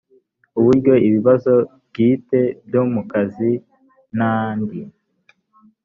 uburyo ibibazo bwite byo mu kazi n andi